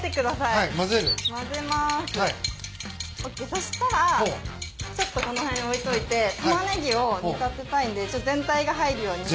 そしたらちょっとこの辺置いといてタマネギを煮立てたいんで全体が入るように。